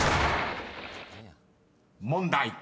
［問題］